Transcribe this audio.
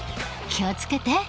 気を付けて。